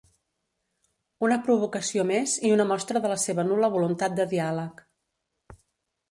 Una provocació més i una mostra de la seva nul·la voluntat de diàleg.